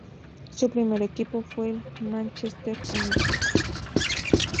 Su primer equipo fue el Manchester United.